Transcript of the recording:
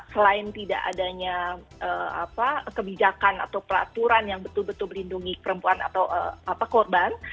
selain tidak adanya kebijakan atau peraturan yang betul betul melindungi perempuan atau korban